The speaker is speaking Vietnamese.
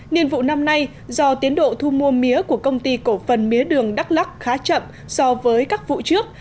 nhiên vụ năm nay do tiến độ thu mua mía của công ty cổ phần mía đường đắk lắc khá chậm so với các vụ trước